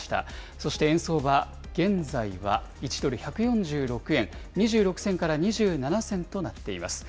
そして、円相場、現在は１ドル１４６円２６銭から２７銭となっています。